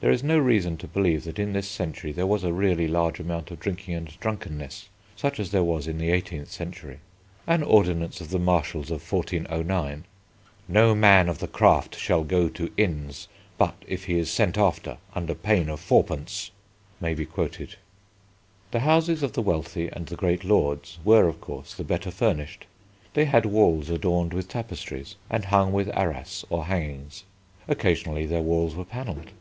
There is no reason to believe that in this century there was a really large amount of drinking and drunkenness, such as there was in the eighteenth century. An ordinance of the Marshals of 1409 "No man of the craft shall go to inns but if he is sent after, under pain of 4d." may be quoted. The houses of the wealthy and the great lords were, of course, the better furnished. They had walls adorned with tapestries and hung with arras or hangings; occasionally their walls were panelled.